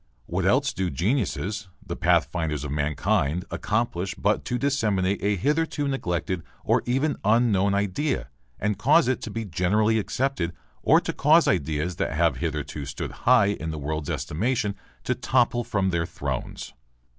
What else do geniuses, the pathfinders of mankind, accomplish but to disseminate a hitherto neglected or even unknown idea and cause it to be generally accepted or to cause ideas that have hitherto stood high in the world's estimation to topple from their thrones?